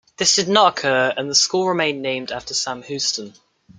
This did not occur, and the school remained named after Sam Houston.